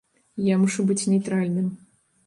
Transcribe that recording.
Я мушу быць нейтральным.